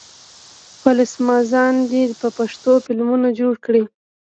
فلمسازان دې په پښتو فلمونه جوړ کړي.